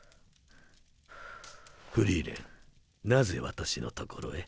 フリーレンなぜ私の所へ？